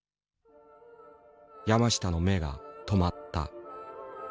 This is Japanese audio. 山下の目が留まった。